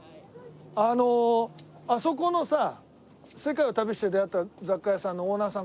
あのあそこのさ世界を旅して出会った雑貨屋さんのオーナーさん